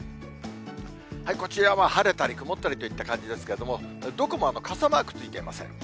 こちらは晴れたり曇ったりといった感じですけれども、どこも傘マークついていません。